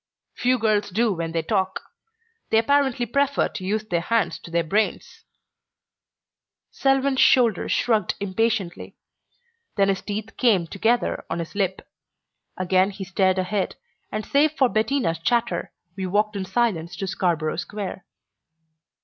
"Few girls do when they talk. They apparently prefer to use their hands to their brains." Selwyn's shoulders shrugged impatiently, then his teeth came together on his lip. Again he stared ahead and, save for Bettina's chatter, we walked in silence to Scarborough Square.